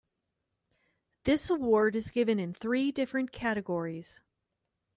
This award is given in three different categories.